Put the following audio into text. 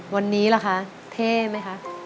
วันนี้ล่ะคะเท่ไหมคะ